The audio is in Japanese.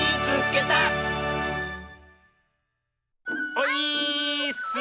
オイーッス！